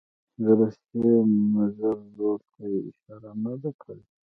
د روسیې مضر رول ته یې اشاره نه ده کړې.